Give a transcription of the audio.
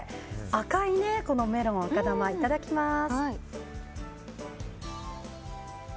赤いメロン、いただきます。